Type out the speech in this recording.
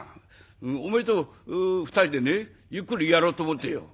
おめえと二人でねゆっくりやろうと思ってよ。